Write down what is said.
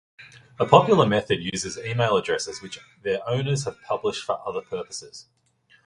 A popular method uses email addresses which their owners have published for other purposes.